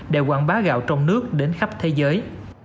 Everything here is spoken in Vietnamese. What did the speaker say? để quảng bá gạo trong nước đến khắp thế giới